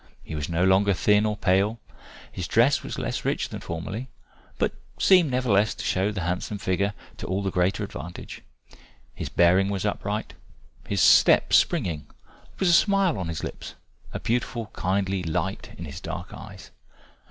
He was no longer thin or pale, his dress was much less rich than formerly, but seemed nevertheless to show his handsome figure to all the greater advantage, his bearing was upright, his step springing there was a smile on his lips, a beautiful, kindly light in his dark eyes.